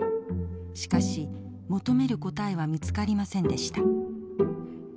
しかし求める答えは見つかりませんでした。